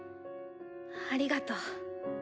ありがとう。